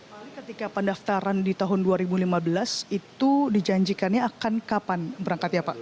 pak ali ketika pendaftaran di tahun dua ribu lima belas itu dijanjikannya akan kapan berangkat ya pak